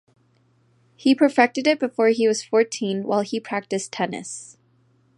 He perfected it before he was fourteen while he practiced tennis.